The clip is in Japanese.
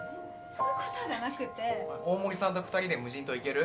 そういうことじゃなくて大森さんと二人で無人島行ける？